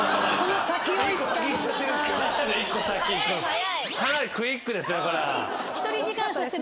何で１個先いくんすか。